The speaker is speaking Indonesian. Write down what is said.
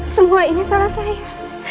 semua ini salah saya